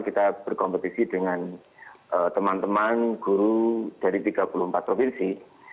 kita berkompetisi dengan teman teman guru dari tiga puluh empat provinsi